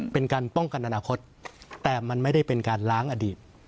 เป็นการป้องกันอนาคตแต่มันไม่ได้เป็นการล้างอดีต